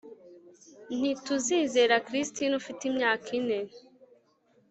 ntituzizera Christine ufite imyaka ine